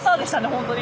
本当に。